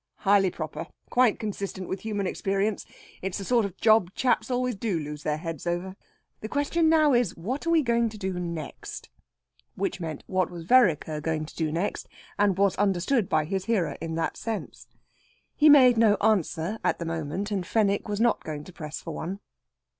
"Highly proper. Quite consistent with human experience! It's the sort of job chaps always do lose their heads over. The question now is, What are we going to do next?" Which meant what was Vereker going to do next? and was understood by his hearer in that sense. He made no answer at the moment, and Fenwick was not going to press for one.